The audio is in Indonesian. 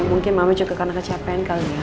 mungkin mama juga karena kecapean kali ya